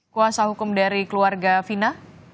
kuasa hukum dari keluarga fina